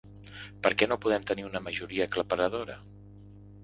Per què no podem tenir una majoria aclaparadora?